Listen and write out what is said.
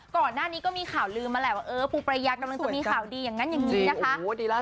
ก่อนหน้านี้ก็มีข่าวลืมมาแหละว่าเออปูปรายากำลังจะมีข่าวดีอย่างนั้นอย่างนี้นะคะ